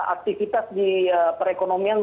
aktivitas di perekonomian